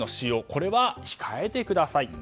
これは控えてください。